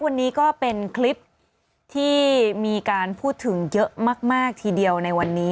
วันนี้ก็เป็นคลิปที่มีการพูดถึงเยอะมากทีเดียวในวันนี้